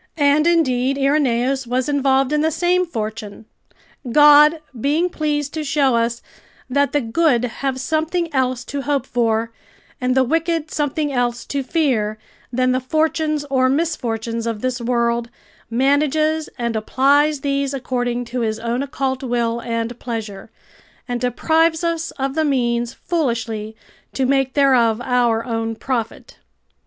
And, indeed, Irenaeus was involved in the same fortune. God, being pleased to show us, that the good have something else to hope for and the wicked something else to fear, than the fortunes or misfortunes of this world, manages and applies these according to His own occult will and pleasure, and deprives us of the means foolishly to make thereof our own profit.